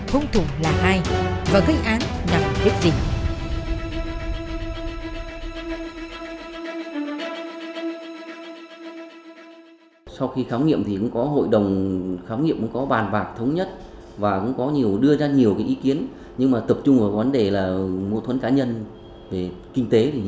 hung thủ là hai và gây án là biết gì